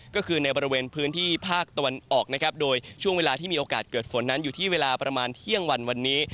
ก็คือในบริเวณพื้นที่ภาคตะวันออกนะครับโดยช่วงเวลาที่มีโอกาสเกิดฝนนั้นอยู่ที่เวลาประมาณเที่ยงวันวันนี้